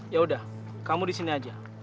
ya udah kamu di sini aja